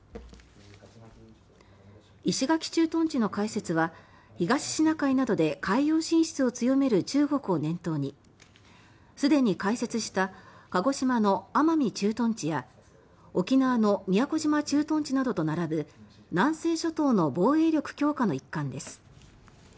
石垣駐屯地の開設は東シナ海などで海洋進出を強める中国を念頭にすでに開設した鹿児島の奄美駐屯地や沖縄の宮古島駐屯地などと並ぶ南西諸島の防衛力強化の一環です。